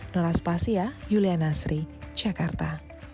noras pasia yuliana sri jakarta